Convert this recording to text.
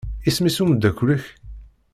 Isem-is umeddakel-ik?